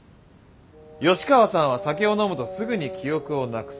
吉川さんは酒を飲むとすぐに記憶をなくす。